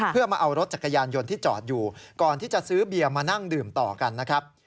เพื่อมาเอารถจักรยานยนต์ที่จอดอยู่ก่อนที่จะซื้อเบียร์มานั่งดื่มต่อกันนะครับ